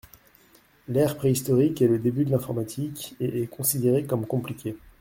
L’ère préhistorique est le début de l’informatique et est considérée comme compliquée.